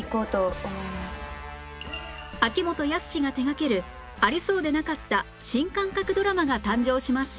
秋元康が手掛けるありそうでなかった新感覚ドラマが誕生します